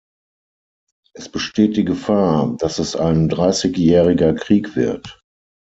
Es besteht die Gefahr, dass es ein Dreißigjähriger Krieg wird.